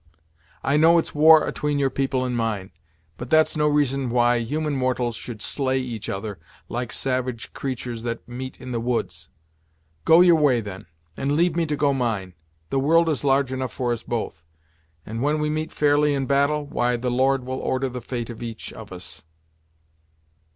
I know it's war atween your people and mine, but that's no reason why human mortals should slay each other, like savage creatur's that meet in the woods; go your way, then, and leave me to go mine. The world is large enough for us both; and when we meet fairly in battle, why, the Lord will order the fate of each of us."